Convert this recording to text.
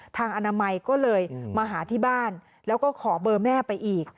อนามัยก็เลยมาหาที่บ้านแล้วก็ขอเบอร์แม่ไปอีก